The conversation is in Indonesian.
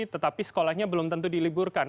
tetapi sekolahnya belum tentu diliburkan